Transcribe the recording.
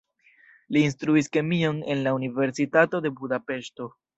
Li instruis kemion en la universitato de Budapeŝto.